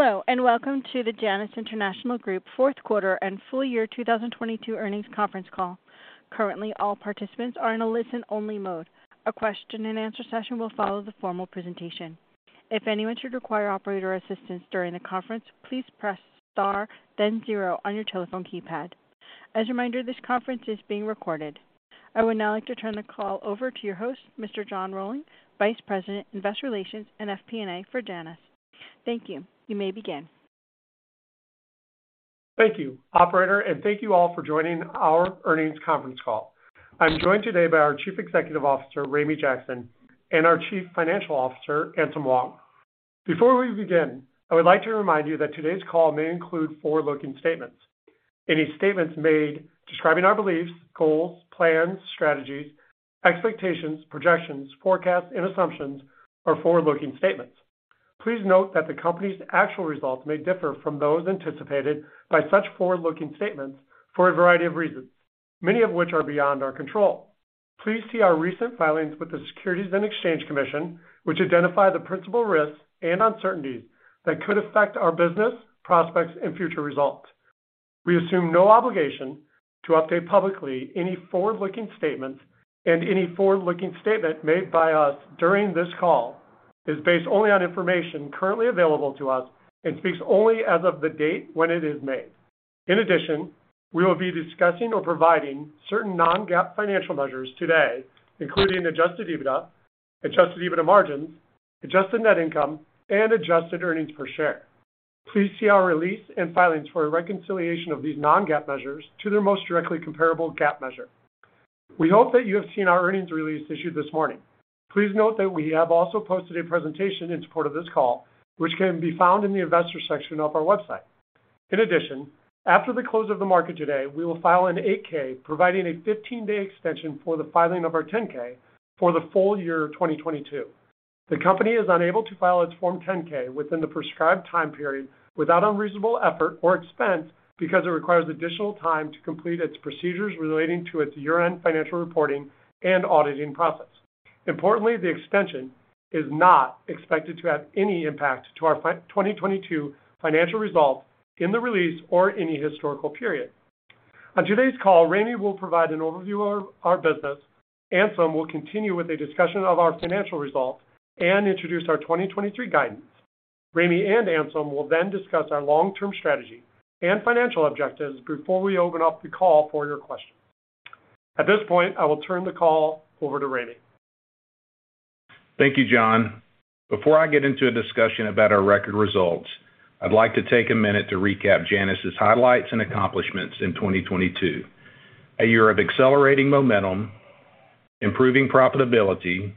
Hello, and welcome to the Janus International Group Fourth Quarter And Full Year 2022 Earnings Conference Call. Currently, all participants are in a listen-only mode. A question-and-answer session will follow the formal presentation. If anyone should require operator assistance during the conference, please press star then zero on your telephone keypad. As a reminder, this conference is being recorded. I would now like to turn the call over to your host, Mr. John Rohlwing, Vice President, Investor Relations and FP&A for Janus. Thank you. You may begin. Thank you, operator, thank you all for joining our earnings conference call. I'm joined today by our Chief Executive Officer, Ramey Jackson, and our Chief Financial Officer, Anselm Wong. Before we begin, I would like to remind you that today's call may include forward-looking statements. Any statements made describing our beliefs, goals, plans, strategies, expectations, projections, forecasts, and assumptions are forward-looking statements. Please note that the company's actual results may differ from those anticipated by such forward-looking statements for a variety of reasons, many of which are beyond our control. Please see our recent filings with the Securities and Exchange Commission, which identify the principal risks and uncertainties that could affect our business, prospects, and future results. We assume no obligation to update publicly any forward-looking statements, and any forward-looking statement made by us during this call is based only on information currently available to us and speaks only as of the date when it is made. In addition, we will be discussing or providing certain non-GAAP financial measures today, including adjusted EBITDA, adjusted EBITDA margins, adjusted net income, and adjusted earnings per share. Please see our release and filings for a reconciliation of these non-GAAP measures to their most directly comparable GAAP measure. We hope that you have seen our earnings release issued this morning. Please note that we have also posted a presentation in support of this call, which can be found in the Investors section of our website. In addition, after the close of the market today, we will file an 8-K providing a 15-day extension for the filing of our 10-K for the full year 2022. The company is unable to file its Form 10-K within the prescribed time period without unreasonable effort or expense because it requires additional time to complete its procedures relating to its year-end financial reporting and auditing process. Importantly, the extension is not expected to have any impact to our 2022 financial results in the release or any historical period. On today's call, Ramey will provide an overview of our business. Anselm will continue with a discussion of our financial results and introduce our 2023 guidance. Ramey and Anselm will discuss our long-term strategy and financial objectives before we open up the call for your questions. At this point, I will turn the call over to Ramey. Thank you, John. Before I get into a discussion about our record results, I'd like to take a minute to recap Janus' highlights and accomplishments in 2022, a year of accelerating momentum, improving profitability,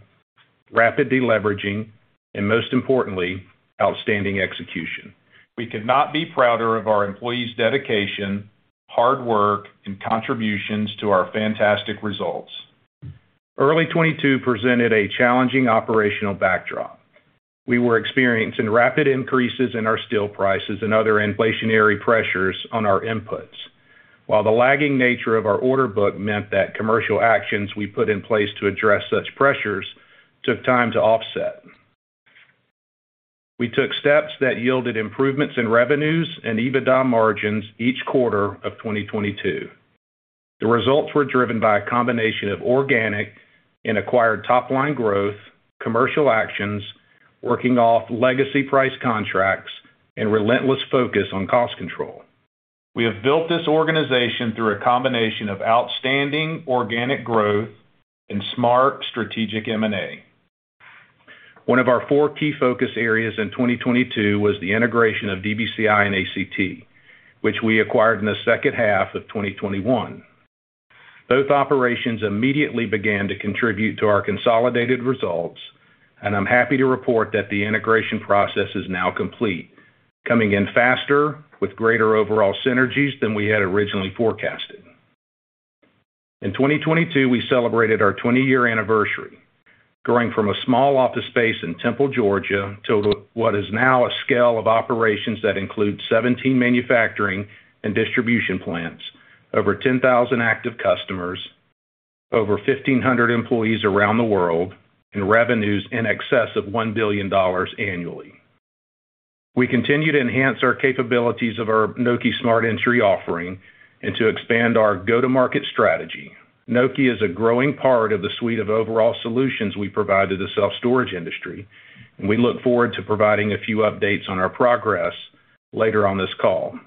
rapid deleveraging, and most importantly, outstanding execution. We could not be prouder of our employees' dedication, hard work, and contributions to our fantastic results. Early 2022 presented a challenging operational backdrop. We were experiencing rapid increases in our steel prices and other inflationary pressures on our inputs. While the lagging nature of our order book meant that commercial actions we put in place to address such pressures took time to offset. We took steps that yielded improvements in revenues and EBITDA margins each quarter of 2022. The results were driven by a combination of organic and acquired top-line growth, commercial actions, working off legacy price contracts, and relentless focus on cost control. We have built this organization through a combination of outstanding organic growth and smart strategic M&A. One of our four key focus areas in 2022 was the integration of DBCI and ACT, which we acquired in the second half of 2021. Both operations immediately began to contribute to our consolidated results, and I'm happy to report that the integration process is now complete, coming in faster with greater overall synergies than we had originally forecasted. In 2022, we celebrated our 20-year anniversary, growing from a small office space in Temple, Georgia, to what is now a scale of operations that includes 17 manufacturing and distribution plants, over 10,000 active customers, over 1,500 employees around the world, and revenues in excess of $1 billion annually. We continue to enhance our capabilities of our Nokē Smart Entry offering and to expand our go-to-market strategy. Nokē is a growing part of the suite of overall solutions we provide to the self-storage industry. We look forward to providing a few updates on our progress later on this call.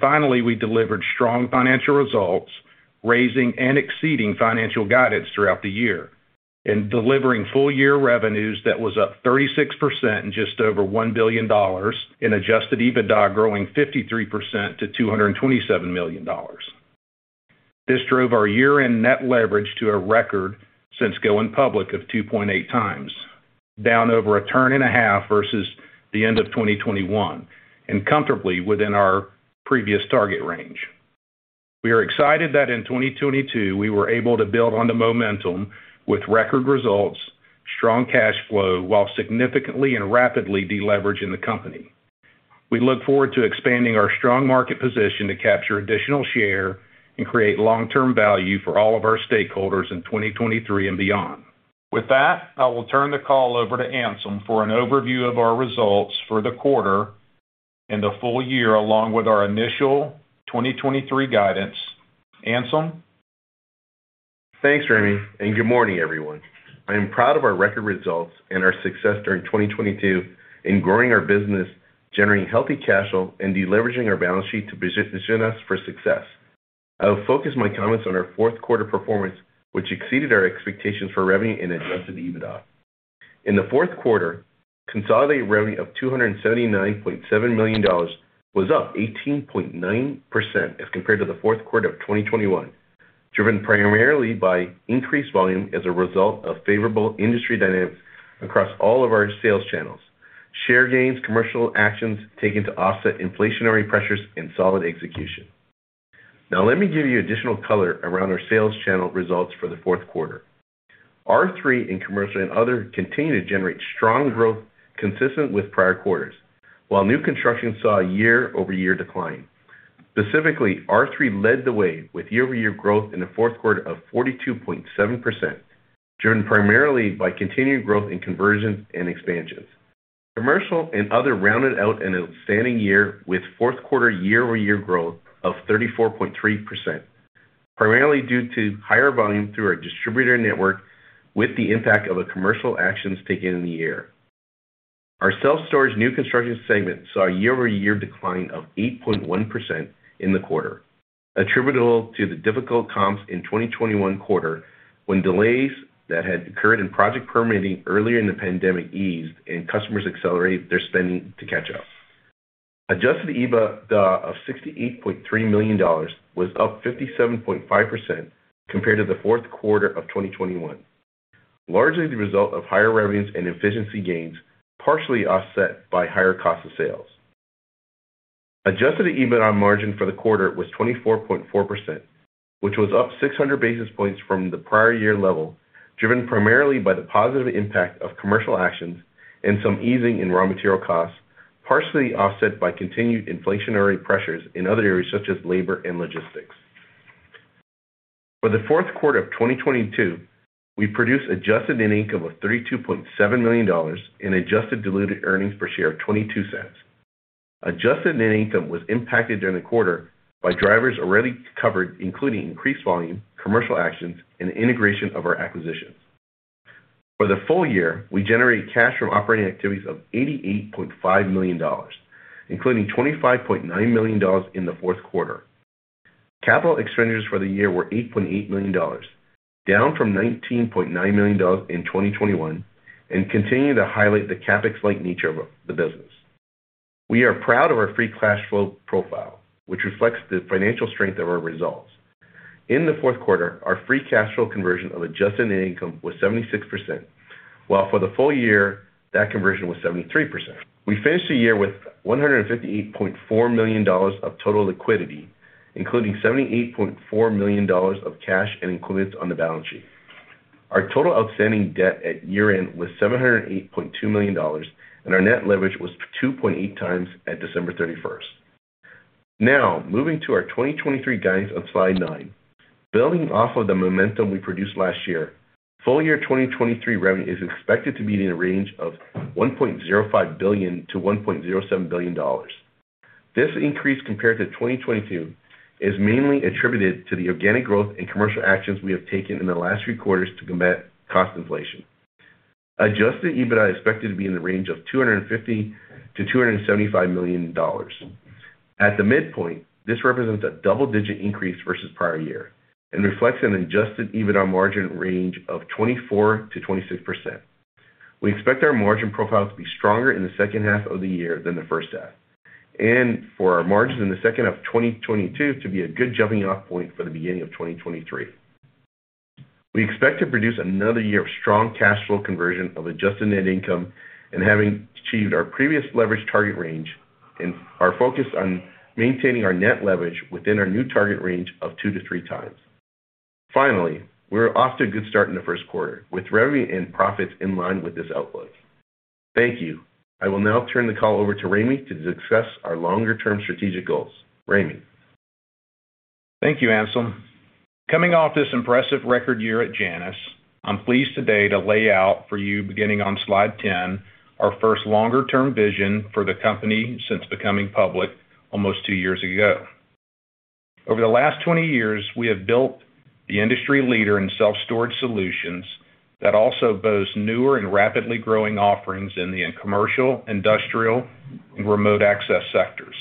Finally, we delivered strong financial results, raising and exceeding financial guidance throughout the year, and delivering full-year revenues that was up 36% and just over $1 billion in adjusted EBITDA growing 53% to $227 million. This drove our year-end net leverage to a record since going public of 2.8x, down over a turn and a half versus the end of 2021, and comfortably within our previous target range. We are excited that in 2022, we were able to build on the momentum with record results, strong cash flow, while significantly and rapidly deleveraging the company. We look forward to expanding our strong market position to capture additional share and create long-term value for all of our stakeholders in 2023 and beyond. With that, I will turn the call over to Anselm for an overview of our results for the quarter and the full year, along with our initial 2023 guidance. Anselm? Thanks, Ramey. Good morning, everyone. I am proud of our record results and our success during 2022 in growing our business, generating healthy cash flow, and de-leveraging our balance sheet to position us for success. I'll focus my comments on our fourth quarter performance, which exceeded our expectations for revenue and adjusted EBITDA. In the fourth quarter, consolidated revenue of $279.7 million was up 18.9% as compared to the fourth quarter of 2021, driven primarily by increased volume as a result of favorable industry dynamics across all of our sales channels, share gains, commercial actions taken to offset inflationary pressures, and solid execution. Now, let me give you additional color around our sales channel results for the fourth quarter. R3 in commercial and other continued to generate strong growth consistent with prior quarters, while new construction saw a year-over-year decline. Specifically, R3 led the way with year-over-year growth in the fourth quarter of 42.7%, driven primarily by continued growth in conversions and expansions. Commercial and other rounded out an outstanding year with fourth quarter year-over-year growth of 34.3%, primarily due to higher volume through our distributor network with the impact of the commercial actions taken in the year. Our self-storage new construction segment saw a year-over-year decline of 8.1% in the quarter, attributable to the difficult comps in 2021 quarter when delays that had occurred in project permitting early in the pandemic eased and customers accelerated their spending to catch up. Adjusted EBITDA of $68.3 million was up 57.5% compared to the fourth quarter of 2021, largely the result of higher revenues and efficiency gains, partially offset by higher cost of sales. Adjusted EBITDA margin for the quarter was 24.4%, which was up 600 basis points from the prior year level, driven primarily by the positive impact of commercial actions and some easing in raw material costs, partially offset by continued inflationary pressures in other areas such as labor and logistics. For the fourth quarter of 2022, we produced adjusted net income of $32.7 million and adjusted diluted earnings per share of $0.22. Adjusted net income was impacted during the quarter by drivers already covered, including increased volume, commercial actions, and integration of our acquisitions. For the full year, we generated cash from operating activities of $88.5 million, including $25.9 million in the fourth quarter. Capital expenditures for the year were $8.8 million, down from $19.9 million in 2021, and continue to highlight the CapEx-light nature of the business. We are proud of our free cash flow profile, which reflects the financial strength of our results. In the fourth quarter, our free cash flow conversion of adjusted net income was 76%, while for the full year, that conversion was 73%. We finished the year with $158.4 million of total liquidity, including $78.4 million of cash and equivalents on the balance sheet. Our total outstanding debt at year-end was $708.2 million. Our net leverage was 2.8x at December 31st. Moving to our 2023 guidance on slide nine. Building off of the momentum we produced last year, full-year 2023 revenue is expected to be in a range of $1.05 billion-$1.07 billion. This increase compared to 2022 is mainly attributed to the organic growth and commercial actions we have taken in the last three quarters to combat cost inflation. Adjusted EBITDA is expected to be in the range of $250 million-$275 million. At the midpoint, this represents a double-digit increase versus prior year and reflects an adjusted EBITDA margin range of 24%-26%. We expect our margin profile to be stronger in the second half of the year than the first half, and for our margins in the second half of 2022 to be a good jumping off point for the beginning of 2023. We expect to produce another year of strong cash flow conversion of adjusted net income and having achieved our previous leverage target range and are focused on maintaining our net leverage within our new target range of 2x-3x. Finally, we're off to a good start in the first quarter with revenue and profits in line with this outlook. Thank you. I will now turn the call over to Ramey to discuss our longer-term strategic goals. Ramey? Thank you, Anselm. Coming off this impressive record year at Janus, I'm pleased today to lay out for you, beginning on slide 10, our first longer term vision for the company since becoming public almost two years ago. Over the last 20 years, we have built the industry leader in self-storage solutions that also boasts newer and rapidly growing offerings in the commercial, industrial, and remote access sectors.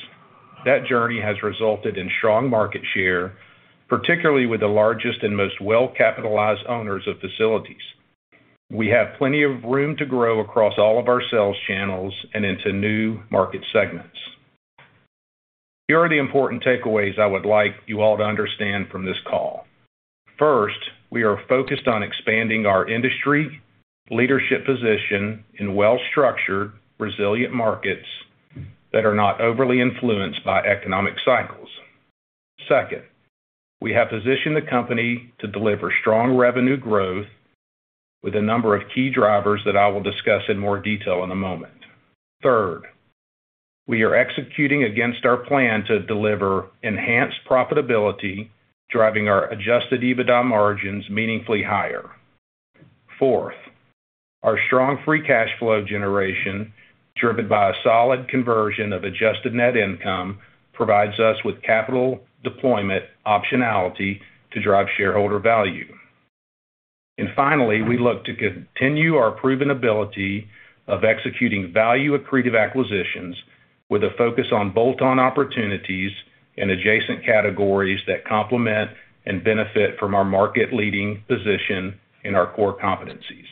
That journey has resulted in strong market share, particularly with the largest and most well-capitalized owners of facilities. We have plenty of room to grow across all of our sales channels and into new market segments. Here are the important takeaways I would like you all to understand from this call. First, we are focused on expanding our industry leadership position in well-structured, resilient markets that are not overly influenced by economic cycles. Second, we have positioned the company to deliver strong revenue growth with a number of key drivers that I will discuss in more detail in a moment. Third, we are executing against our plan to deliver enhanced profitability, driving our adjusted EBITDA margins meaningfully higher. Fourth, our strong free cash flow generation, driven by a solid conversion of adjusted net income, provides us with capital deployment optionality to drive shareholder value. Finally, we look to continue our proven ability of executing value-accretive acquisitions with a focus on bolt-on opportunities in adjacent categories that complement and benefit from our market-leading position in our core competencies.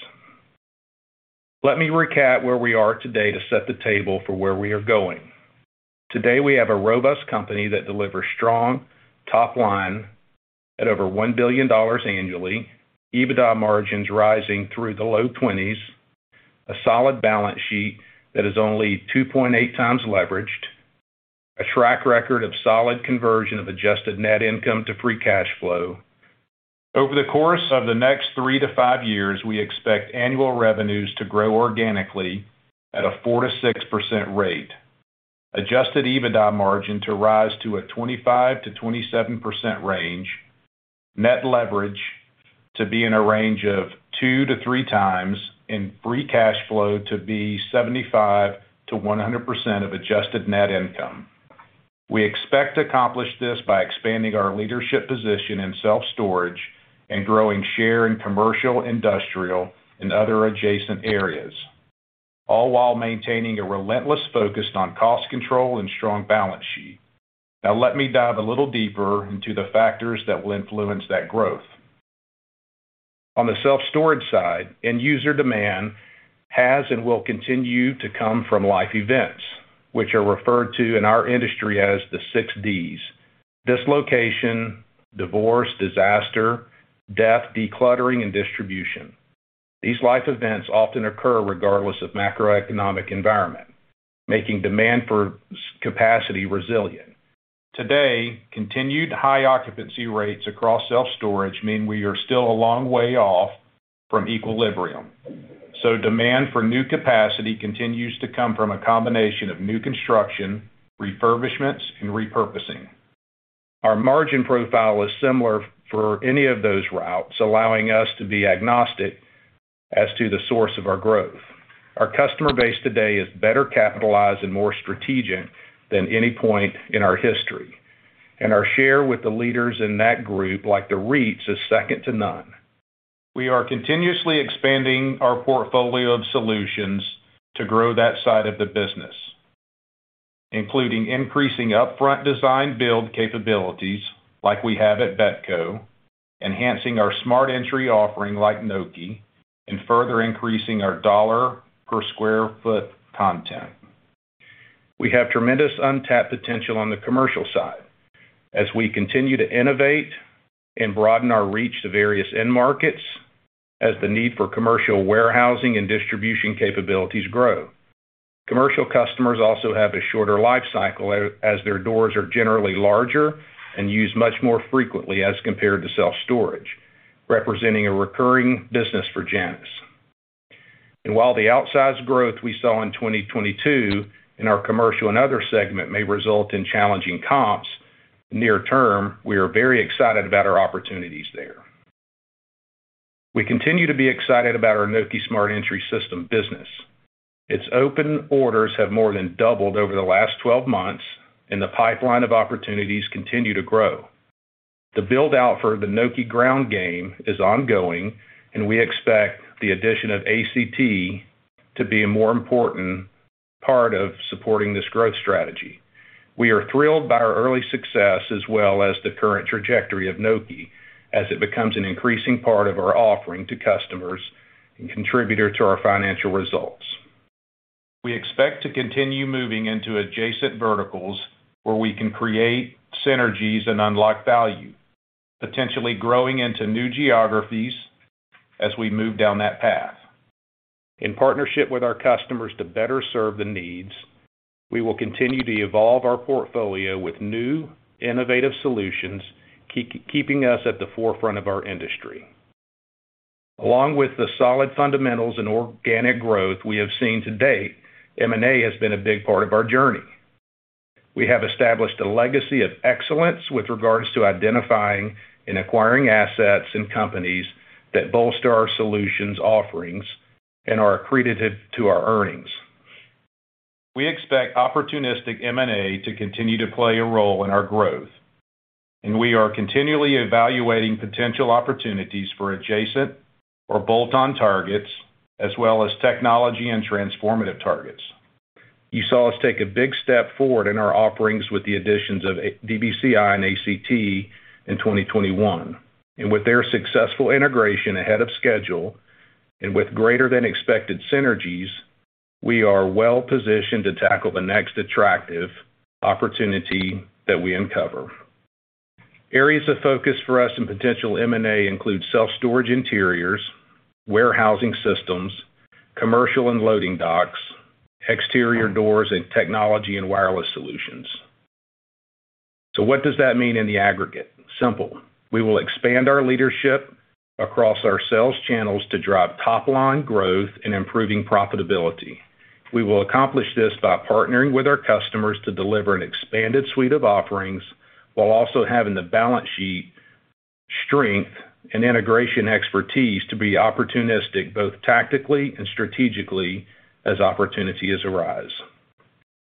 Let me recap where we are today to set the table for where we are going. Today, we have a robust company that delivers strong top line at over $1 billion annually, EBITDA margins rising through the low 20s, a solid balance sheet that is only 2.8x leveraged, a track record of solid conversion of adjusted net income to free cash flow. Over the course of the next three to five years, we expect annual revenues to grow organically at a 4%-6% rate, adjusted EBITDA margin to rise to a 25%-27% range, net leverage to be in a range of 2x-3x, and free cash flow to be 75%-100% of adjusted net income. We expect to accomplish this by expanding our leadership position in self-storage and growing share in commercial, industrial, and other adjacent areas, all while maintaining a relentless focus on cost control and strong balance sheet. Let me dive a little deeper into the factors that will influence that growth. On the self-storage side, end user demand has and will continue to come from life events, which are referred to in our industry as the six Ds: dislocation, divorce, disaster, death, decluttering, and distribution. These life events often occur regardless of macroeconomic environment, making demand for capacity resilient. Today, continued high occupancy rates across self-storage mean we are still a long way off from equilibrium, demand for new capacity continues to come from a combination of new construction, refurbishments, and repurposing. Our margin profile is similar for any of those routes, allowing us to be agnostic as to the source of our growth. Our customer base today is better capitalized and more strategic than any point in our history. Our share with the leaders in that group, like the REITs, is second to none. We are continuously expanding our portfolio of solutions to grow that side of the business, including increasing upfront design build capabilities like we have at BETCO, enhancing our smart entry offering like Nokē, and further increasing our dollar per square foot content. We have tremendous untapped potential on the commercial side as we continue to innovate and broaden our reach to various end markets as the need for commercial warehousing and distribution capabilities grow. Commercial customers also have a shorter life cycle as their doors are generally larger and used much more frequently as compared to self-storage, representing a recurring business for Janus. While the outsized growth we saw in 2022 in our commercial and other segment may result in challenging comps near term, we are very excited about our opportunities there. We continue to be excited about our Nokē Smart Entry business. Its open orders have more than doubled over the last 12 months, and the pipeline of opportunities continue to grow. The build-out for the Nokē ground game is ongoing, and we expect the addition of ACT to be a more important part of supporting this growth strategy. We are thrilled by our early success as well as the current trajectory of Nokē as it becomes an increasing part of our offering to customers and contributor to our financial results. We expect to continue moving into adjacent verticals where we can create synergies and unlock value, potentially growing into new geographies as we move down that path. In partnership with our customers to better serve the needs, we will continue to evolve our portfolio with new innovative solutions, keeping us at the forefront of our industry. Along with the solid fundamentals and organic growth we have seen to date, M&A has been a big part of our journey. We have established a legacy of excellence with regards to identifying and acquiring assets and companies that bolster our solutions offerings and are accretive to our earnings. We expect opportunistic M&A to continue to play a role in our growth, and we are continually evaluating potential opportunities for adjacent or bolt-on targets, as well as technology and transformative targets. You saw us take a big step forward in our offerings with the additions of DBCI and ACT in 2021. With their successful integration ahead of schedule and with greater than expected synergies, we are well-positioned to tackle the next attractive opportunity that we uncover. Areas of focus for us in potential M&A include self-storage interiors, warehousing systems, commercial and loading docks. Exterior doors and technology and wireless solutions. What does that mean in the aggregate? Simple. We will expand our leadership across our sales channels to drive top-line growth and improving profitability. We will accomplish this by partnering with our customers to deliver an expanded suite of offerings while also having the balance sheet strength and integration expertise to be opportunistic, both tactically and strategically as opportunities arise.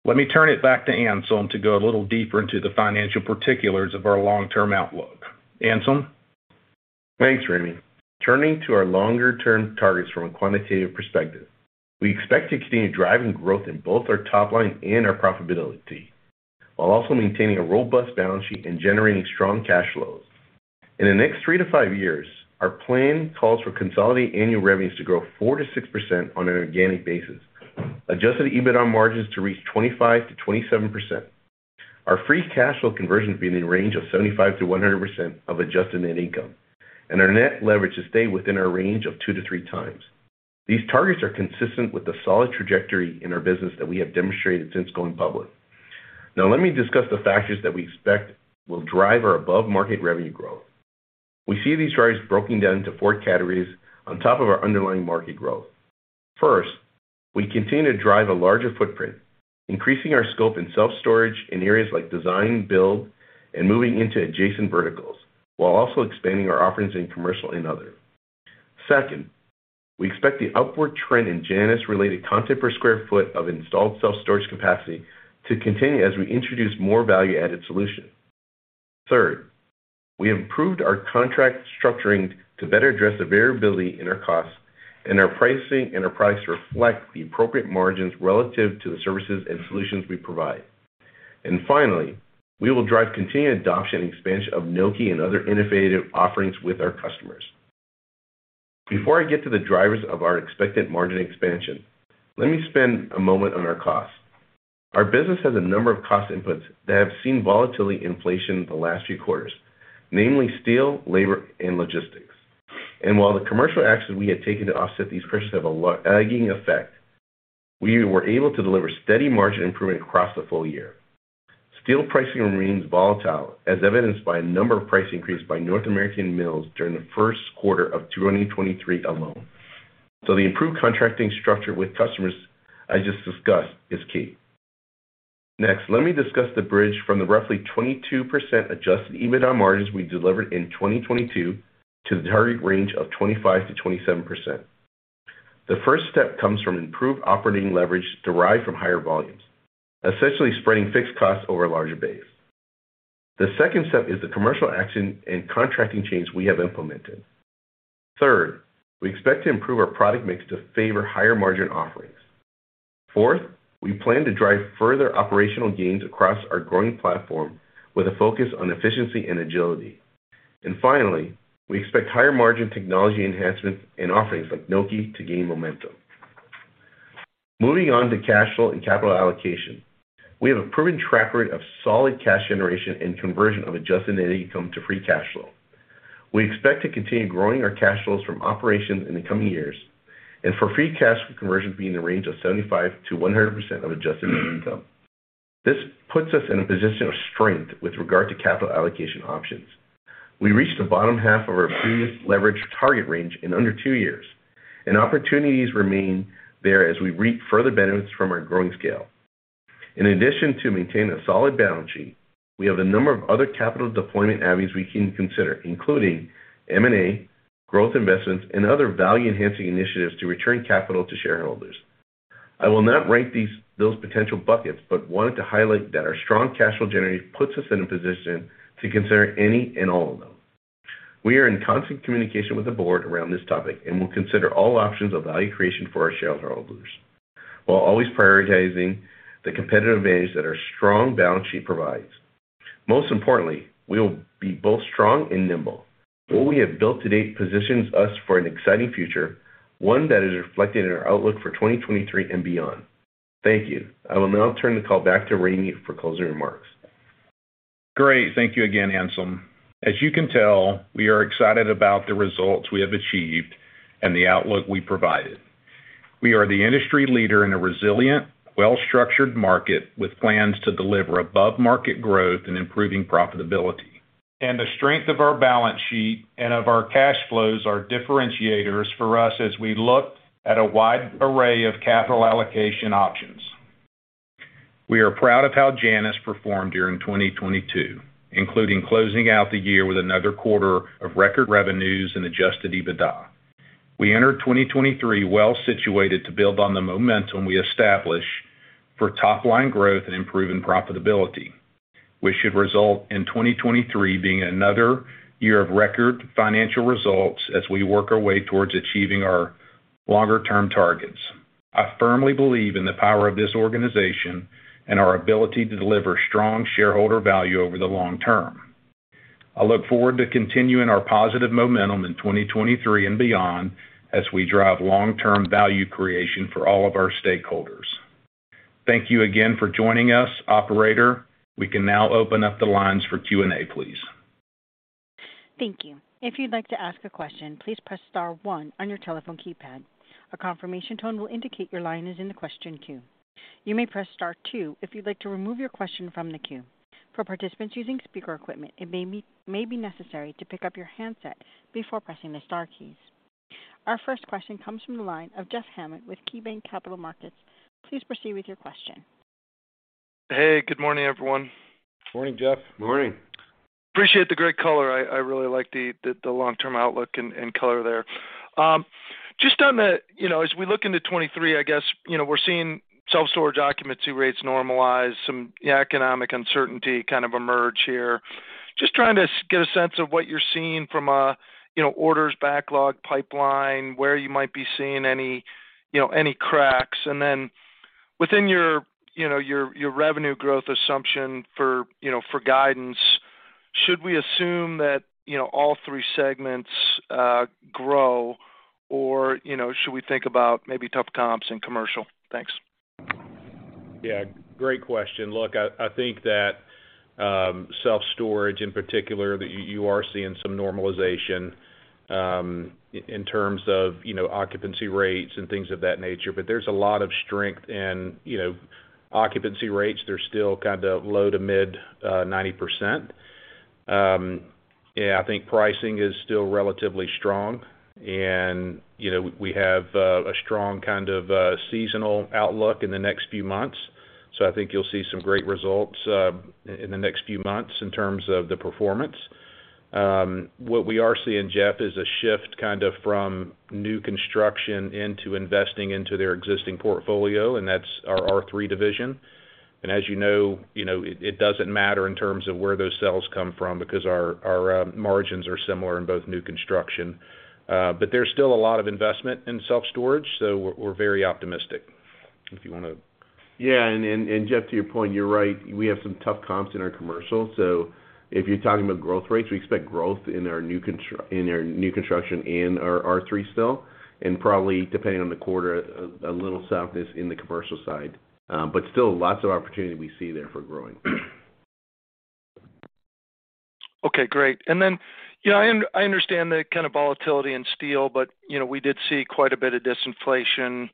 Let me turn it back to Anselm to go a little deeper into the financial particulars of our long-term outlook. Anselm? Thanks, Ramey. Turning to our longer-term targets from a quantitative perspective. We expect to continue driving growth in both our top line and our profitability, while also maintaining a robust balance sheet and generating strong cash flows. In the next three to five years, our plan calls for consolidated annual revenues to grow 4%-6% on an organic basis, adjusted EBITDA margins to reach 25%-27%. Our free cash flow conversion be in the range of 75%-100% of adjusted net income, and our net leverage to stay within our range of 2x-3x. These targets are consistent with the solid trajectory in our business that we have demonstrated since going public. Now, let me discuss the factors that we expect will drive our above-market revenue growth. We see these drivers broken down into four categories on top of our underlying market growth. We continue to drive a larger footprint, increasing our scope in self-storage in areas like design, build, and moving into adjacent verticals, while also expanding our offerings in commercial and other. We expect the upward trend in Janus-related content per square foot of installed self-storage capacity to continue as we introduce more value-added solution. We improved our contract structuring to better address the variability in our costs and our price to reflect the appropriate margins relative to the services and solutions we provide. Finally, we will drive continued adoption and expansion of Nokē and other innovative offerings with our customers. Before I get to the drivers of our expected margin expansion, let me spend a moment on our costs. Our business has a number of cost inputs that have seen volatility inflation in the last few quarters, namely steel, labor, and logistics. While the commercial actions we have taken to offset these pressures have a lagging effect, we were able to deliver steady margin improvement across the full year. Steel pricing remains volatile, as evidenced by a number of price increase by North American mills during the first quarter of 2023 alone. The improved contracting structure with customers I just discussed is key. Next, let me discuss the bridge from the roughly 22% adjusted EBITDA margins we delivered in 2022 to the target range of 25%-27%. The first step comes from improved operating leverage derived from higher volumes, essentially spreading fixed costs over a larger base. The second step is the commercial action and contracting change we have implemented. Third, we expect to improve our product mix to favor higher-margin offerings. Fourth, we plan to drive further operational gains across our growing platform with a focus on efficiency and agility. Finally, we expect higher margin technology enhancements and offerings like Nokē to gain momentum. Moving on to cash flow and capital allocation. We have a proven track record of solid cash generation and conversion of adjusted net income to free cash flow. We expect to continue growing our cash flows from operations in the coming years, and for free cash flow conversion being in the range of 75%-100% of adjusted net income. This puts us in a position of strength with regard to capital allocation options. We reached the bottom half of our previous leverage target range in under two years, and opportunities remain there as we reap further benefits from our growing scale. In addition to maintaining a solid balance sheet, we have a number of other capital deployment avenues we can consider, including M&A, growth investments, and other value-enhancing initiatives to return capital to shareholders. I will not rank these, those potential buckets, but wanted to highlight that our strong cash flow generation puts us in a position to consider any and all of them. We are in constant communication with the board around this topic and will consider all options of value creation for our shareholders, while always prioritizing the competitive advantage that our strong balance sheet provides. Most importantly, we will be both strong and nimble. What we have built to date positions us for an exciting future, one that is reflected in our outlook for 2023 and beyond. Thank you. I will now turn the call back to Ramey for closing remarks. Great. Thank you again, Anselm. As you can tell, we are excited about the results we have achieved and the outlook we provided. We are the industry leader in a resilient, well-structured market with plans to deliver above-market growth and improving profitability. The strength of our balance sheet and of our cash flows are differentiators for us as we look at a wide array of capital allocation options. We are proud of how Janus performed during 2022, including closing out the year with another quarter of record revenues and adjusted EBITDA. We entered 2023 well situated to build on the momentum we established for top-line growth and improving profitability, which should result in 2023 being another year of record financial results as we work our way towards achieving our longer-term targets. I firmly believe in the power of this organization and our ability to deliver strong shareholder value over the long term. I look forward to continuing our positive momentum in 2023 and beyond as we drive long-term value creation for all of our stakeholders. Thank you again for joining us. Operator, we can now open up the lines for Q&A, please. Thank you. If you'd like to ask a question, please press star one on your telephone keypad. A confirmation tone will indicate your line is in the question queue. You may press star two if you'd like to remove your question from the queue. For participants using speaker equipment, it may be necessary to pick up your handset before pressing the star keys. Our first question comes from the line of Jeff Hammond with KeyBanc Capital Markets. Please proceed with your question. Hey, good morning, everyone. Morning, Jeff. Morning. Appreciate the great color. I really like the long-term outlook and color there. You know, as we look into 2023, I guess, you know, we're seeing self-storage occupancy rates normalize, some economic uncertainty kind of emerge here. Just trying to get a sense of what you're seeing from a, you know, orders backlog pipeline, where you might be seeing any cracks. Within your, you know, your revenue growth assumption for, you know, for guidance, should we assume that, you know, all three segments grow or, you know, should we think about maybe tough comps in commercial? Thanks. Yeah, great question. Look, I think that self-storage in particular, that you are seeing some normalization in terms of, you know, occupancy rates and things of that nature, but there's a lot of strength and, you know, occupancy rates, they're still kind of low to mid, 90%. Yeah, I think pricing is still relatively strong and, you know, we have a strong kind of seasonal outlook in the next few months. I think you'll see some great results in the next few months in terms of the performance. What we are seeing, Jeff, is a shift kind of from new construction into investing into their existing portfolio, and that's our R3 division. As you know, you know, it doesn't matter in terms of where those sales come from because our margins are similar in both new construction. There's still a lot of investment in self-storage, so we're very optimistic. If you wanna... Jeff, to your point, you're right. We have some tough comps in our commercial. If you're talking about growth rates, we expect growth in our new construction and our R3 still, and probably depending on the quarter, a little softness in the commercial side. Still lots of opportunity we see there for growing. Okay, great. Then, you know, I understand the kind of volatility in steel, but, you know, we did see quite a bit of disinflation,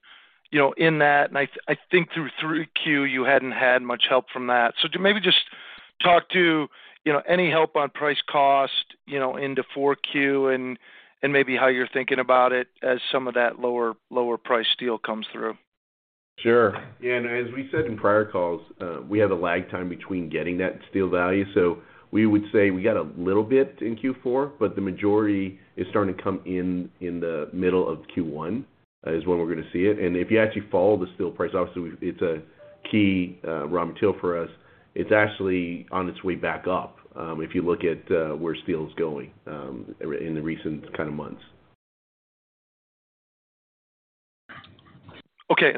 you know, in that. I think through 3Q, you hadn't had much help from that. Maybe just talk to, you know, any help on price cost, you know, into 4Q and maybe how you're thinking about it as some of that lower price steel comes through. Sure. Yeah. As we said in prior calls, we have a lag time between getting that steel value. We would say we got a little bit in Q4, but the majority is starting to come in the middle of Q1, is when we're going to see it. If you actually follow the steel price, obviously, it's a key raw material for us. It's actually on its way back up, if you look at where steel is going, in the recent kind of months. Okay.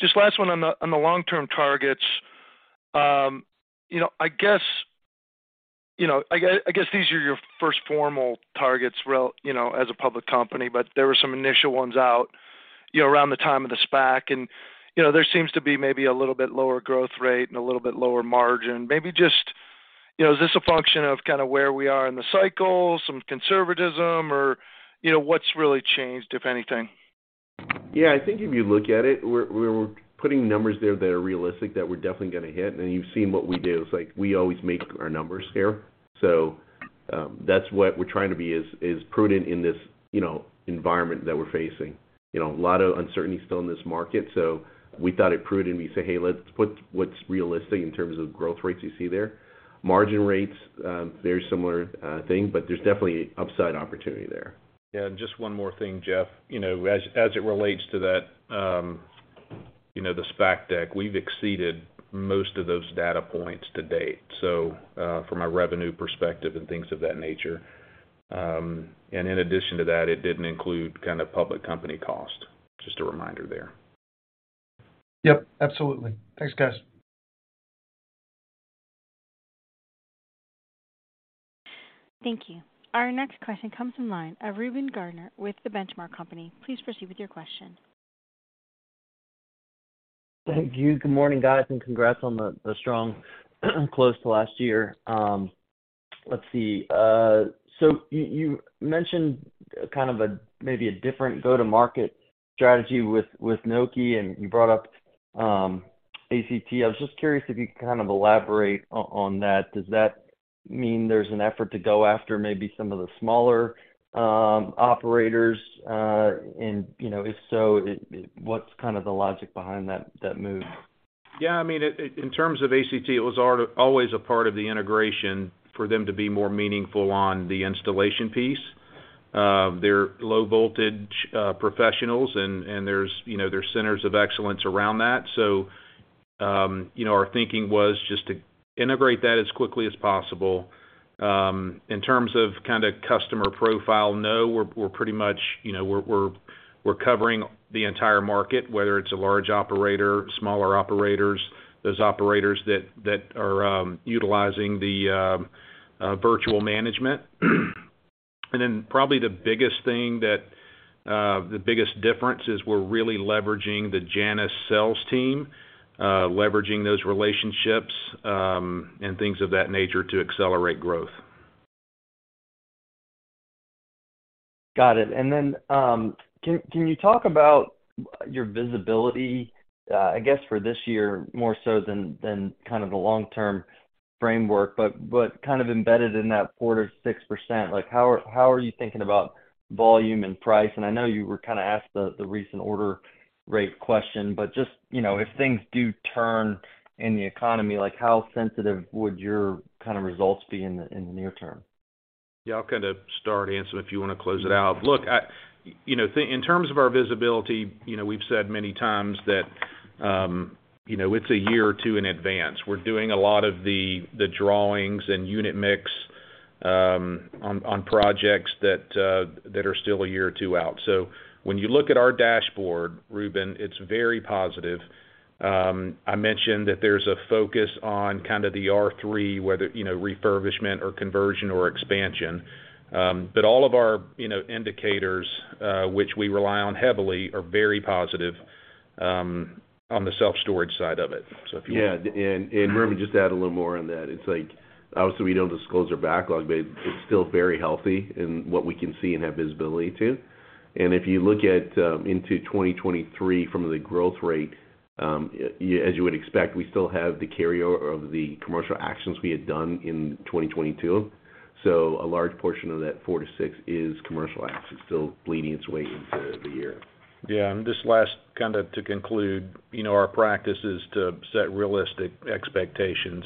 Just last one on the long-term targets. You know, I guess, you know, I guess these are your first formal targets, you know, as a public company, but there were some initial ones out, you know, around the time of the SPAC. You know, there seems to be maybe a little bit lower growth rate and a little bit lower margin. Maybe just, you know, is this a function of kinda where we are in the cycle, some conservatism or, you know, what's really changed, if anything? I think if you look at it, we're putting numbers there that are realistic, that we're definitely gonna hit. You've seen what we do, it's like we always make our numbers here. That's what we're trying to be is prudent in this, you know, environment that we're facing. You know, a lot of uncertainty still in this market, so we thought it prudent, and we say, "Hey, let's put what's realistic in terms of growth rates you see there." Margin rates, very similar thing, but there's definitely upside opportunity there. Yeah. Just one more thing, Jeff. You know, as it relates to that, you know, the SPAC deck, we've exceeded most of those data points to date. From a revenue perspective and things of that nature. In addition to that, it didn't include kind of public company cost. Just a reminder there. Yep, absolutely. Thanks, guys. Thank you. Our next question comes from line of Reuben Garner with The Benchmark Company. Please proceed with your question. Thank you. Good morning, guys. Congrats on the strong close to last year. Let's see. You mentioned kind of a different go-to-market strategy with Nokē, and you brought up ACT. I was just curious if you could kind of elaborate on that. Does that mean there's an effort to go after maybe some of the smaller operators? You know, if so, what's kind of the logic behind that move? Yeah, I mean, in terms of ACT, it was always a part of the integration for them to be more meaningful on the installation piece. They're low voltage professionals and there's, you know, centers of excellence around that. You know, our thinking was just to integrate that as quickly as possible. In terms of kind of customer profile, no, we're pretty much, you know, we're covering the entire market, whether it's a large operator, smaller operators, those operators that are utilizing the virtual management. Probably the biggest thing that the biggest difference is we're really leveraging the Janus sales team, leveraging those relationships and things of that nature to accelerate growth. Got it. Then, can you talk about your visibility, I guess for this year more so than kind of the long-term framework, but kind of embedded in that 4%-6%, like, how are you thinking about volume and price? I know you were kind of asked the recent order rate question, but just, you know, if things do turn in the economy, like how sensitive would your kind of results be in the near term? I'll kind of start answering if you want to close it out. You know, in terms of our visibility, you know, we've said many times that, you know, it's a year or two in advance. We're doing a lot of the drawings and unit mix on projects that are still a year or two out. When you look at our dashboard, Reuben, it's very positive. I mentioned that there's a focus on kind of the R3, whether, you know, refurbishment or conversion or expansion. All of our, you know, indicators, which we rely on heavily, are very positive on the self-storage side of it. Yeah. Reuben, just to add a little more on that, it's like, obviously, we don't disclose our backlog, but it's still very healthy in what we can see and have visibility to. If you look at into 2023 from the growth rate, as you would expect, we still have the carryover of the commercial actions we had done in 2022. A large portion of that 4%-6% is commercial assets still bleeding its way into the year. Yeah. This last kind of to conclude, you know, our practice is to set realistic expectations,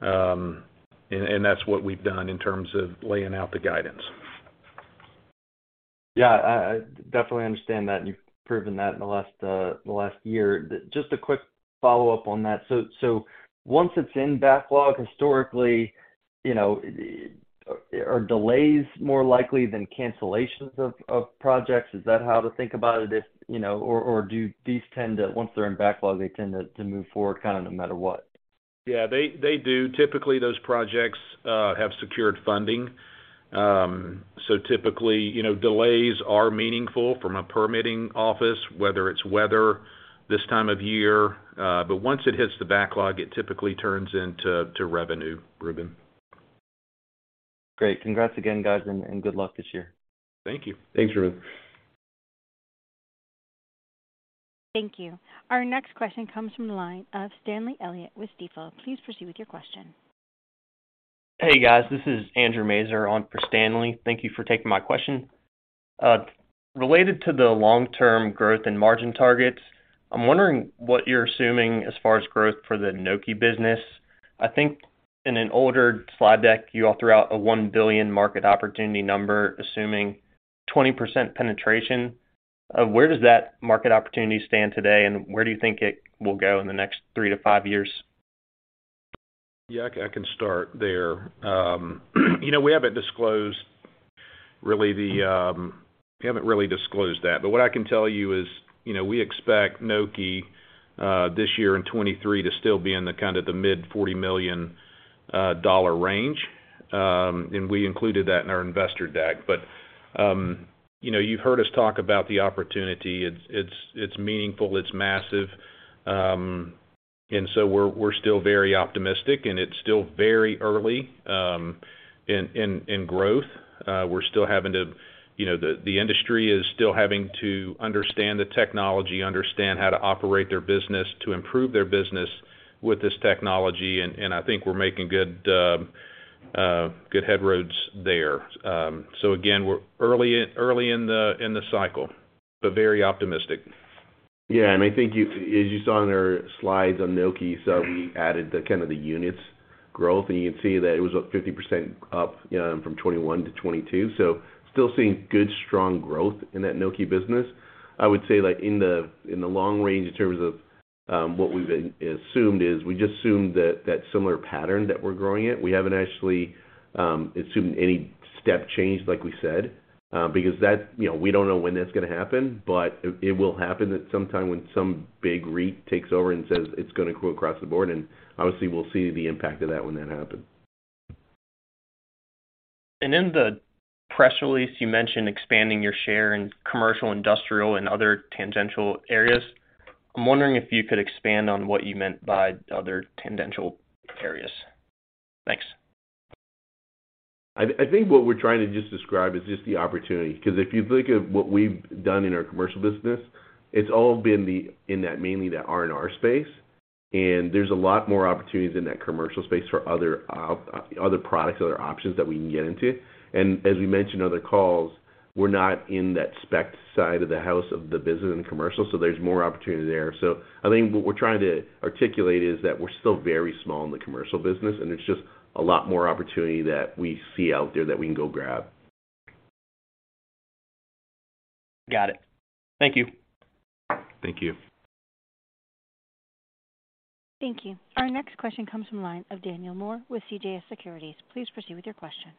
that's what we've done in terms of laying out the guidance. Yeah. I definitely understand that, and you've proven that in the last, the last year. Just a quick follow-up on that. Once it's in backlog historically, you know, are delays more likely than cancellations of projects? Is that how to think about it if... You know? Or do these tend to, once they're in backlog, they tend to move forward kind of no matter what? Yeah, they do. Typically, those projects have secured funding. Typically, you know, delays are meaningful from a permitting office, whether it's weather this time of year, once it hits the backlog, it typically turns into revenue, Reuben. Great. Congrats again, guys. Good luck this year. Thank you. Thanks, Reuben. Thank you. Our next question comes from the line of Stanley Elliott with Stifel. Please proceed with your question. Hey, guys. This is Andrew Maser on for Stanley. Thank you for taking my question. Related to the long-term growth and margin targets, I'm wondering what you're assuming as far as growth for the Nokē business. I think in an older slide deck, you all threw out a $1 billion market opportunity number, assuming 20% penetration. Where does that market opportunity stand today, and where do you think it will go in the next three to five years? Yeah. I can start there. You know, we haven't disclosed really the. We haven't really disclosed that. What I can tell you is, you know, we expect Nokē this year in 2023 to still be in the kind of the mid $40 million dollar range. And we included that in our investor deck. You know, you've heard us talk about the opportunity. It's meaningful, it's massive. We're still very optimistic, and it's still very early in growth. We're still having to. You know, the industry is still having to understand the technology, understand how to operate their business, to improve their business with this technology, and I think we're making good headway there. Again, we're early in the cycle, very optimistic. Yeah. I think as you saw in our slides on Nokē, we added the kind of the units growth, and you can see that it was up 50% up from 2021 to 2022. Still seeing good, strong growth in that Nokē business. I would say, like, in the long range in terms of what we've assumed is we just assumed that that similar pattern that we're growing at, we haven't actually assumed any step change, like we said, because that's, you know, we don't know when that's gonna happen, but it will happen at some time when some big REIT takes over and says it's gonna grow across the board, obviously, we'll see the impact of that when that happens. In the press release, you mentioned expanding your share in commercial, industrial, and other tangential areas. I'm wondering if you could expand on what you meant by other tangential areas. Thanks. I think what we're trying to just describe is just the opportunity. 'Cause if you look at what we've done in our commercial business, it's all been in that mainly that R&R space, and there's a lot more opportunities in that commercial space for other products, other options that we can get into. As we mentioned other calls, we're not in that spec side of the house of the business and commercial, there's more opportunity there. I think what we're trying to articulate is that we're still very small in the commercial business, and there's just a lot more opportunity that we see out there that we can go grab. Got it. Thank you. Thank you. Thank you. Our next question comes from line of Daniel Moore with CJS Securities. Please proceed with your question.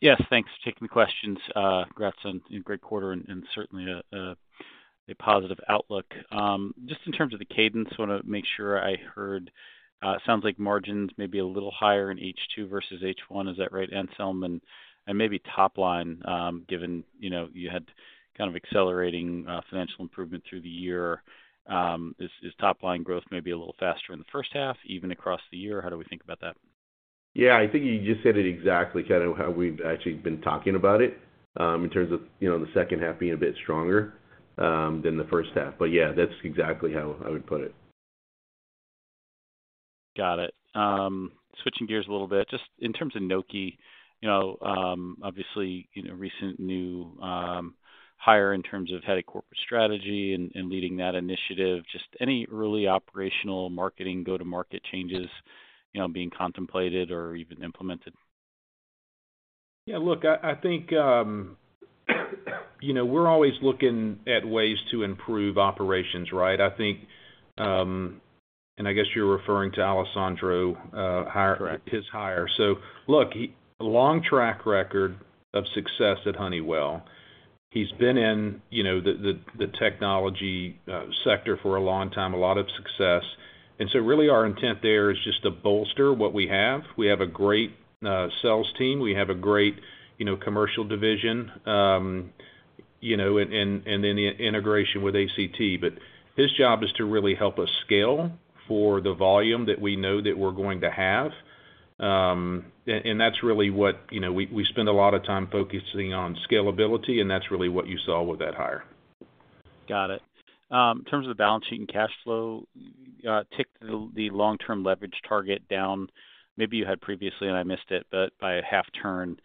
Yes, thanks for taking the questions. congrats on a great quarter and certainly a A positive outlook. Just in terms of the cadence, wanna make sure I heard, sounds like margins may be a little higher in H2 versus H1. Is that right, Anselm? Maybe top line, given, you know, you had kind of accelerating, financial improvement through the year, is top line growth maybe a little faster in the first half, even across the year? How do we think about that? Yeah, I think you just said it exactly kind of how we've actually been talking about it, in terms of, you know, the second half being a bit stronger, than the first half. Yeah, that's exactly how I would put it. Got it. Switching gears a little bit, just in terms of Nokē, you know, obviously, you know, recent new hire in terms of head of corporate strategy and leading that initiative. Just any early operational marketing go-to-market changes, you know, being contemplated or even implemented? Yeah, look, I think, you know, we're always looking at ways to improve operations, right? I think, I guess you're referring to Alessandro. Correct... his hire. look, he long track record of success at Honeywell. He's been in, you know, the technology sector for a long time, a lot of success. really our intent there is just to bolster what we have. We have a great sales team. We have a great, you know, commercial division, you know, and then the integration with ACT. His job is to really help us scale for the volume that we know that we're going to have. and that's really what, you know, we spend a lot of time focusing on scalability, and that's really what you saw with that hire. Got it. In terms of the balance sheet and cash flow, ticked the long-term leverage target down. Maybe you had previously and I missed it, but by a half turn.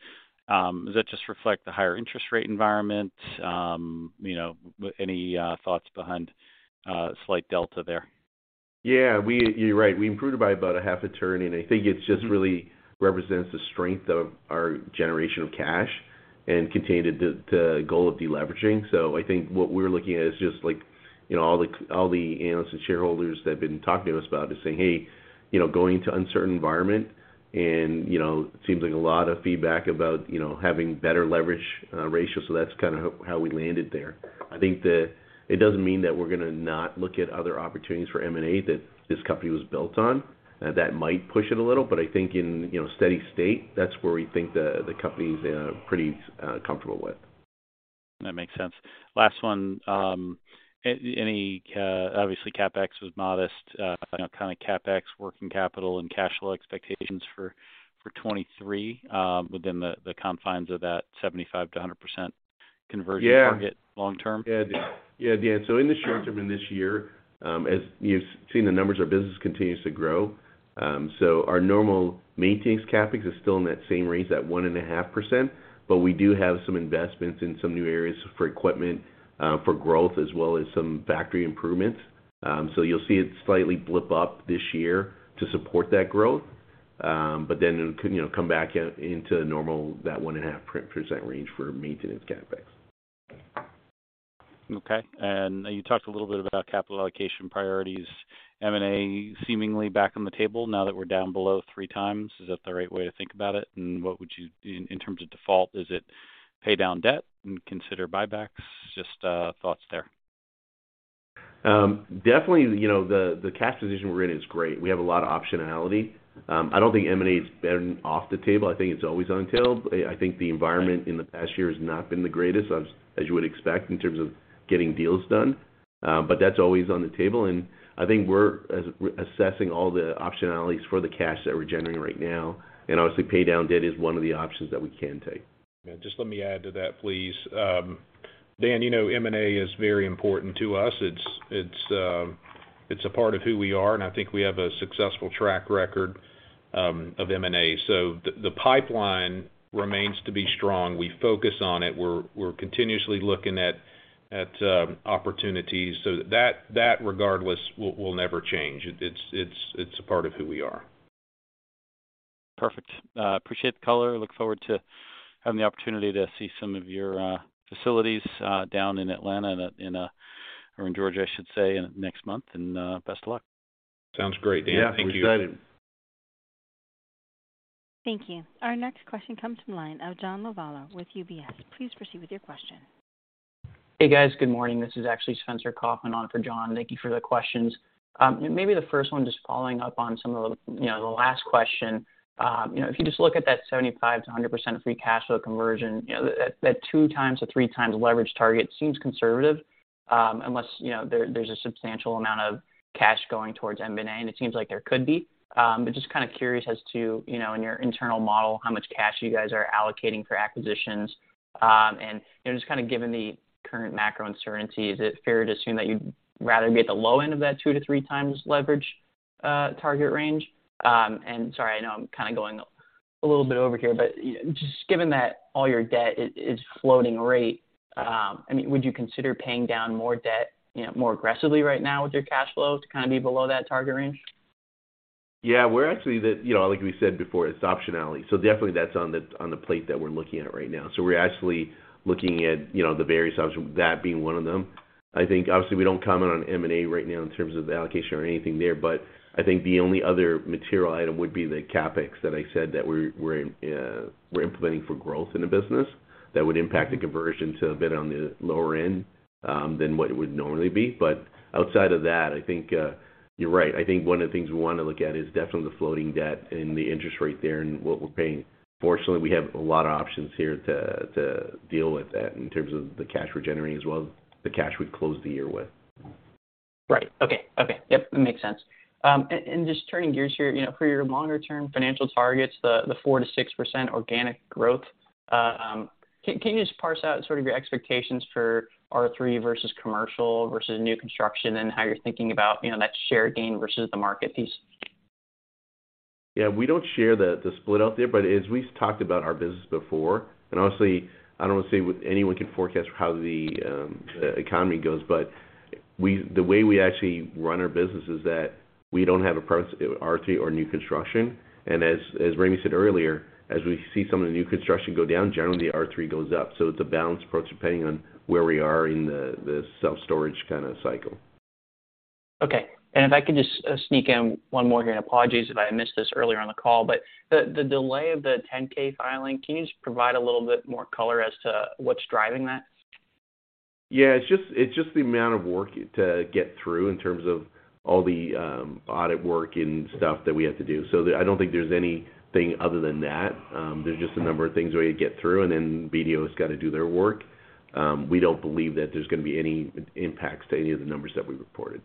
Does that just reflect the higher interest rate environment? You know, any thoughts behind slight delta there? Yeah, you're right. We improved it by about a half a turn, and I think it just really represents the strength of our generation of cash and continue the goal of deleveraging. I think what we're looking at is just like, you know, all the analysts and shareholders that have been talking to us about is saying, "Hey, you know, going to uncertain environment," and, you know, seems like a lot of feedback about, you know, having better leverage ratio. That's kind of how we landed there. I think that it doesn't mean that we're gonna not look at other opportunities for M&A that this company was built on. That might push it a little, but I think in, you know, steady state, that's where we think the company's pretty comfortable with. That makes sense. Last one. Any, obviously CapEx was modest, you know, kind of CapEx, working capital and cash flow expectations for 2023, within the confines of that 75%-100% conversion target? Yeah... long term. In the short term, in this year, as you've seen the numbers, our business continues to grow. Our normal maintenance CapEx is still in that same range, that 1.5%, but we do have some investments in some new areas for equipment, for growth as well as some factory improvements. You'll see it slightly blip up this year to support that growth. Then it'll you know, come back into normal, that 1.5% range for maintenance CapEx. Okay. You talked a little bit about capital allocation priorities. M&A seemingly back on the table now that we're down below 3x. Is that the right way to think about it? In terms of default, is it pay down debt and consider buybacks? Just thoughts there. Definitely, you know, the cash position we're in is great. We have a lot of optionality. I don't think M&A is been off the table. I think it's always on the table. I think the environment in the past year has not been the greatest as you would expect in terms of getting deals done. That's always on the table, and I think we're assessing all the optionalities for the cash that we're generating right now, and obviously, pay down debt is one of the options that we can take. Yeah. Just let me add to that, please. Dan, you know, M&A is very important to us. It's a part of who we are, and I think we have a successful track record of M&A. The pipeline remains to be strong. We focus on it. We're continuously looking at opportunities. That regardless will never change. It's a part of who we are. Perfect. appreciate the color. Look forward to having the opportunity to see some of your facilities, down in Atlanta in or in Georgia, I should say, next month. Best of luck. Sounds great, Dan. Thank you. Yeah. We're excited. Thank you. Our next question comes from line of John Lovallo with UBS. Please proceed with your question. Hey, guys. Good morning. This is actually Spencer Kaufman on for John. Thank you for the questions. Maybe the first one, just following up on some of the, you know, the last question. You know, if you just look at that 75%-100% free cash flow conversion, you know, that 2x-3x leverage target seems conservative, unless, you know, there's a substantial amount of cash going towards M&A, and it seems like there could be. Just kind of curious as to, you know, in your internal model, how much cash you guys are allocating for acquisitions. You know, just kind of given the current macro uncertainty, is it fair to assume that you'd rather be at the low end of that 2x-3x leverage target range? Sorry, I know I'm kind of going a little bit over here, but just given that all your debt is floating rate, I mean, would you consider paying down more debt, you know, more aggressively right now with your cash flow to kind of be below that target range? We're actually, you know, like we said before, it's optionality. Definitely that's on the plate that we're looking at right now. We're actually looking at, you know, the various options, that being one of them. I think obviously we don't comment on M&A right now in terms of the allocation or anything there, but I think the only other material item would be the CapEx that I said that we're implementing for growth in the business. That would impact the conversion to a bit on the lower end than what it would normally be. Outside of that, I think, you're right. I think one of the things we wanna look at is definitely the floating debt and the interest rate there and what we're paying. Fortunately, we have a lot of options here to deal with that in terms of the cash we're generating as well as the cash we close the year with. Right. Okay. Okay. Yep, that makes sense. Just turning gears here, you know, for your longer-term financial targets, the 4%-6% organic growth, can you just parse out sort of your expectations for R3 versus commercial versus new construction and how you're thinking about, you know, that share gain versus the market piece? Yeah, we don't share the split out there, but as we've talked about our business before, and honestly, I don't see what anyone can forecast for how the economy goes, but the way we actually run our business is that we don't have approach, R3 or new construction. As Ramey said earlier, as we see some of the new construction go down, generally R3 goes up. It's a balanced approach depending on where we are in the self-storage kind of cycle. Okay. If I could just sneak in one more here. Apologies if I missed this earlier on the call. The delay of the 10-K filing, can you just provide a little bit more color as to what's driving that? Yeah. It's just the amount of work to get through in terms of all the audit work and stuff that we have to do. I don't think there's anything other than that. There's just a number of things we need to get through. Then BDO has got to do their work. We don't believe that there's gonna be any impacts to any of the numbers that we reported.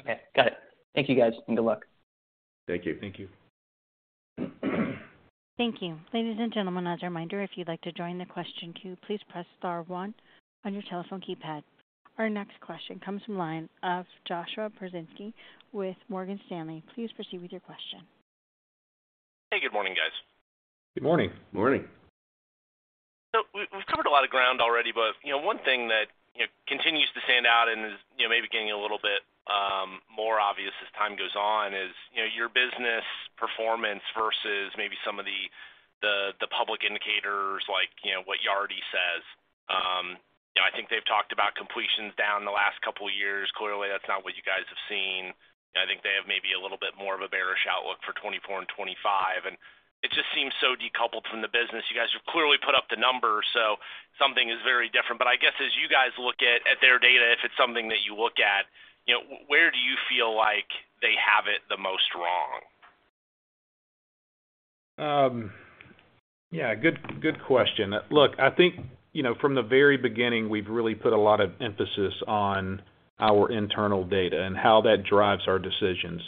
Okay. Got it. Thank you, guys, and good luck. Thank you. Thank you. Thank you. Ladies and gentlemen, as a reminder, if you'd like to join the question queue, please press star one on your telephone keypad. Our next question comes from line of Joshua Pokrzywinski with Morgan Stanley. Please proceed with your question. Hey, good morning, guys. Good morning. Morning. We've covered a lot of ground already, but, you know, one thing that, you know, continues to stand out and is, you know, maybe getting a little bit more obvious as time goes on is, you know, your business performance versus maybe some of the public indicators like, you know, what Yardi says. You know, I think they've talked about completions down the last couple of years. Clearly, that's not what you guys have seen. You know, I think they have maybe a little bit more of a bearish outlook for 2024 and 2025, and it just seems so decoupled from the business. You guys have clearly put up the numbers, so something is very different. I guess as you guys look at their data, if it's something that you look at, you know, where do you feel like they have it the most wrong? Yeah, good question. Look, I think, you know, from the very beginning, we've really put a lot of emphasis on our internal data and how that drives our decisions.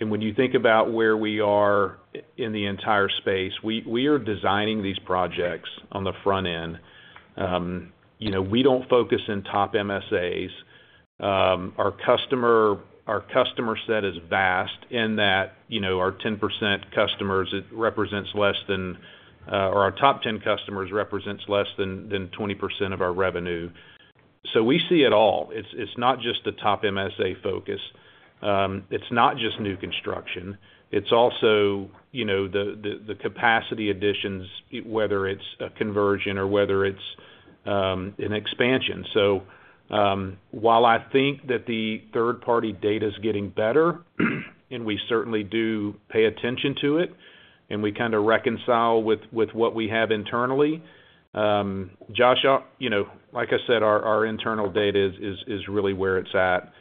When you think about where we are in the entire space, we are designing these projects on the front end. You know, we don't focus in top MSAs. Our customer set is vast in that, you know, our top 10 customers represents less than 20% of our revenue. We see it all. It's not just the top MSA focus, it's not just new construction, it's also, you know, the capacity additions, whether it's a conversion or whether it's an expansion. While I think that the third-party data is getting better, and we certainly do pay attention to it, and we kinda reconcile with what we have internally, Joshua, you know, like I said, our internal data is really where it's at.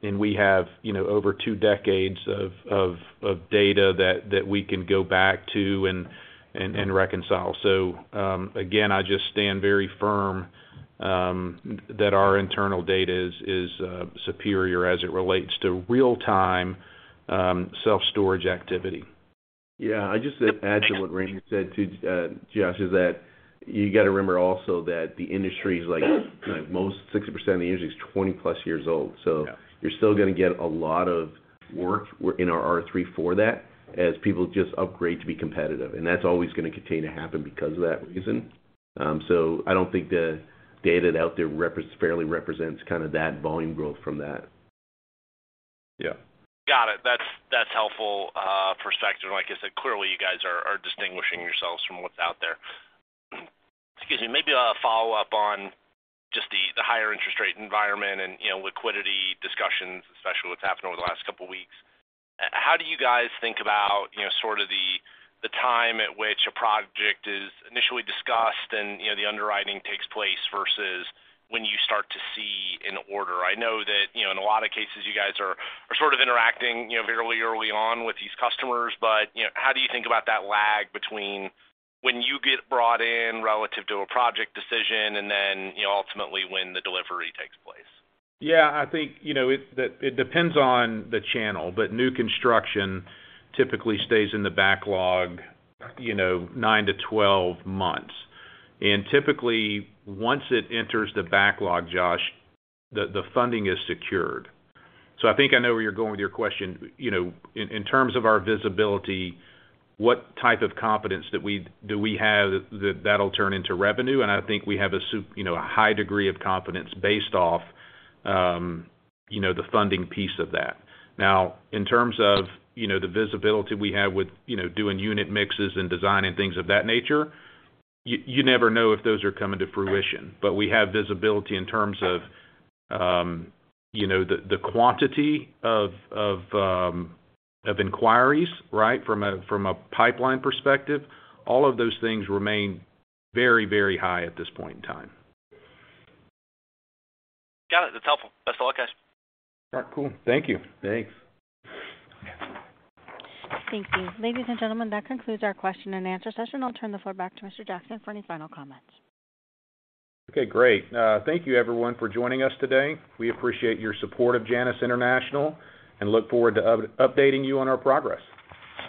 We have, you know, over two decades of data that we can go back to and reconcile. Again, I just stand very firm, that our internal data is superior as it relates to real-time, self-storage activity. I'd just add to what Ramey said too, Josh, is that you got to remember also that the industry is like 60% of the industry is 20-plus years old. Yeah. You're still gonna get a lot of work in our R3 for that as people just upgrade to be competitive, that's always gonna continue to happen because of that reason. I don't think the data out there fairly represents kinda that volume growth from that. Yeah. Got it. That's, that's helpful perspective. Like I said, clearly, you guys are distinguishing yourselves from what's out there. Excuse me. Maybe a follow-up on just the higher interest rate environment and, you know, liquidity discussions, especially what's happened over the last couple of weeks. How do you guys think about, you know, sort of the time at which a project is initially discussed and, you know, the underwriting takes place versus when you start to see an order? I know that, you know, in a lot of cases you guys are sort of interacting, you know, very early on with these customers, but, you know, how do you think about that lag between when you get brought in relative to a project decision and then, you know, ultimately when the delivery takes place? Yeah, I think, you know, it depends on the channel, but new construction typically stays in the backlog, you know, 9-12 months. Typically, once it enters the backlog, Josh, the funding is secured. I think I know where you're going with your question. You know, in terms of our visibility, what type of confidence do we have that that'll turn into revenue? I think we have a high degree of confidence based off, you know, the funding piece of that. Now, in terms of, you know, the visibility we have with, you know, doing unit mixes and design and things of that nature, you never know if those are coming to fruition. We have visibility in terms of, you know, the quantity of inquiries, right? From a pipeline perspective. All of those things remain very, very high at this point in time. Got it. That's helpful. Best of luck, guys. All right, cool. Thank you. Thanks. Thank you. Ladies and gentlemen, that concludes our question-and-answer session. I'll turn the floor back to Mr. Jackson for any final comments. Okay, great. Thank you everyone for joining us today. We appreciate your support of Janus International and look forward to updating you on our progress.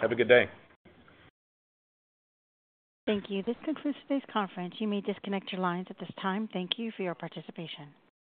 Have a good day. Thank you. This concludes today's conference. You may disconnect your lines at this time. Thank you for your participation.